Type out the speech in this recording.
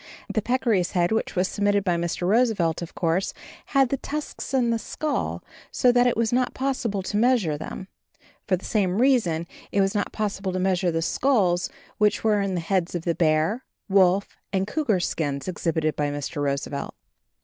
The peccary's head, which was submitted by Mr. Roosevelt, of course, had the tusks in the skull, so that it was not possible to measure them; for the same reason it was not possible to measure the skulls which were in the heads of the bear, wolf and cougar skins exhibited by Mr. Roosevelt.